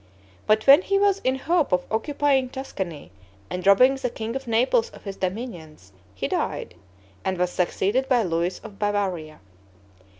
But when he was in hope of occupying Tuscany and robbing the king of Naples of his dominions, he died, and was succeeded by Louis of Bavaria.